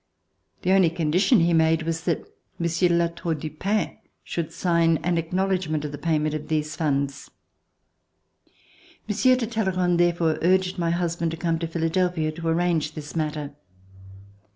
The only condition he made was that Monsieur de La Tour du Pin should sign an acknowledgement of the payment of these funds. Monsieur de Talleyrand therefore urged my husband to come to Philadelphia to arrange this matter.